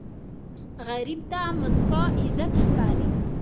غریب ته موسکا عزت ښکاري